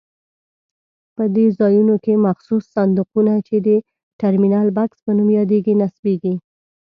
په دې ځایونو کې مخصوص صندوقونه چې د ټرمینل بکس په نوم یادېږي نصبېږي.